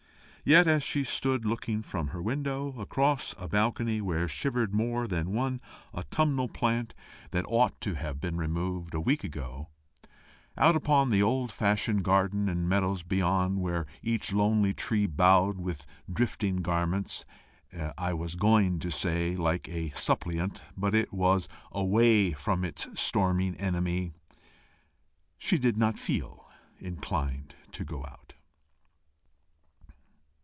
Yet as she stood looking from her window, across a balcony where shivered more than one autumnal plant that ought to have been removed a week ago, out upon the old fashioned garden and meadows beyond, where each lonely tree bowed with drifting garments I was going to say, like a suppliant, but it was AWAY from its storming enemy she did not feel inclined to go out.